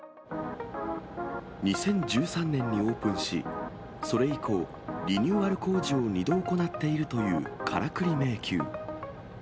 ２０１３年にオープンし、それ以降、リニューアル工事を２度行っているというカラクリ迷宮。